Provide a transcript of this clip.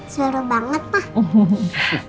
seru banget pak